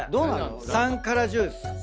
３から１０っす。